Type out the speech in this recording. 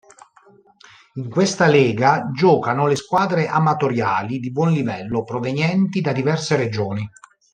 In questa lega giocano le squadre amatoriali di buon livello provenienti da diverse regioni.